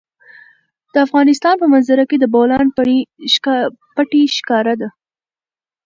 د افغانستان په منظره کې د بولان پټي ښکاره ده.